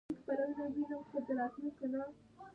ژبه لمده ده